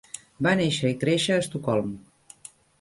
Va néixer i créixer a Estocolm.